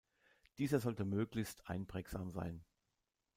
Dieser sollte möglichst einprägsam sein.